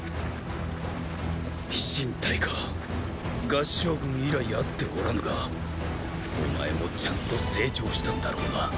飛信隊か合従軍以来会っておらぬがお前もちゃんと成長したんだろうなーー